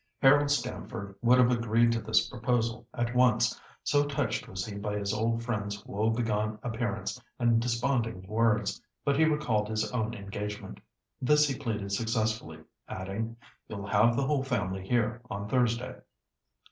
Harold Stamford would have agreed to this proposal at once, so touched was he by his old friend's woebegone appearance and desponding words, but he recalled his own engagement. This he pleaded successfully, adding, "You'll have the whole family here on Thursday."